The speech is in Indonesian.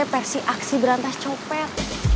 versi aksi berantas copet